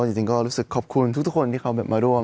จริงก็รู้สึกขอบคุณทุกคนที่เขามาร่วม